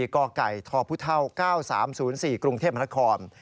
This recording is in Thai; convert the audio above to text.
๔กไก่ทพุท่าว๙๓๐๔กรุงเทพมนตร์คอร์ม